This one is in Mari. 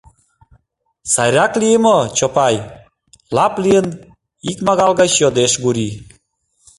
— Сайрак лие мо, Чопай? — лап лийын, икмагал гыч йодеш Гурий.